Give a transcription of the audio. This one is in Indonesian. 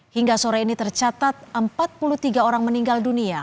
hingga sore ini tercatat empat puluh tiga orang meninggal dunia